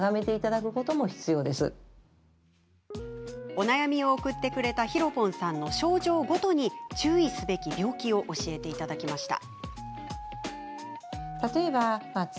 お悩みを送ってくれたひろぽんさんの症状ごとに注意すべき病気を教えてもらいました。